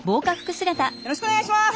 よろしくお願いします！